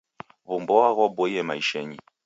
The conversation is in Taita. W'umboa ghwaboiye maishenyi.